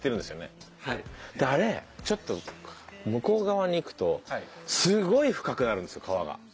あれちょっと向こう側に行くとすごい深くなるんですよ川が。